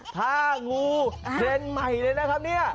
ถ้างูเดนใหม่เลยนะครับเนี่ย